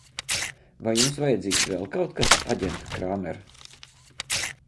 Vai jums vajadzīgs vēl kaut kas, aģent Krāmer?